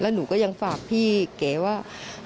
หมอพลวง